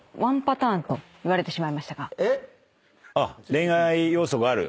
恋愛要素がある。